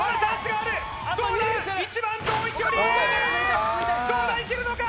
あどうだいけるのか！？